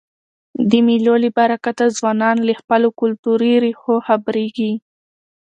د مېلو له برکته ځوانان له خپلو کلتوري ریښو خبريږي.